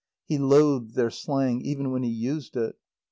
He loathed their slang even when he used it.